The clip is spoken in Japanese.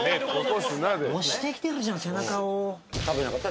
押してきてるじゃん背中を。